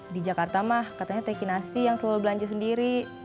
di jakarta mah katanya teki nasi yang selalu belanja sendiri